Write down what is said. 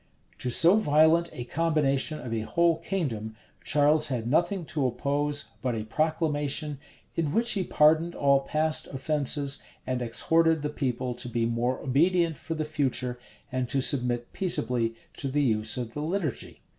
{1638.} To so violent a combination of a whole kingdom, Charles had nothing to oppose but a proclamation; in which he pardoned all past offences, and exhorted the people to be more obedient for the future, and to submit peaceably to the use of the liturgy.